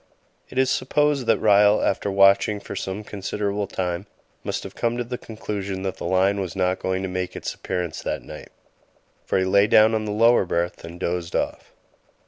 It is supposed that Ryall, after watching for some considerable time, must have come to the conclusion that the lion was not going to make its appearance that night, for he lay down on the lower berth and dozed off.